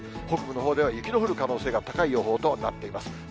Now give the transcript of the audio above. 北部のほうでは雪の降る可能性が高い予報となっています。